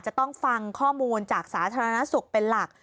จะต้องฟังข้อมูลจากสาธารณสุขเป็นหลัก